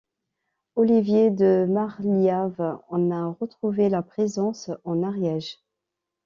Olivier de Marliave en a retrouvé la présence en Ariège.